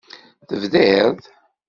Tebdid.